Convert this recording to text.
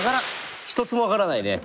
１つも分からないね。